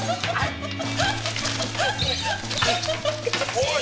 おい！